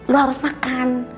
lo harus makan